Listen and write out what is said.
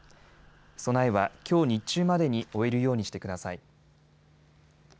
備えは、きょう日中までに終えるようにしてください。